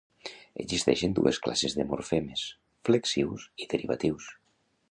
Existeixen dues classes de morfemes: flexius i derivatius.